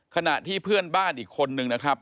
ขณะที่เพื่อนบ้านอีกคนนึงนะครับ